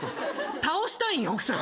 倒したいんよ奥さんを。